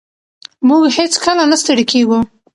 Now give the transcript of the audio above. موږ هېڅکله نه ستړي کېږو.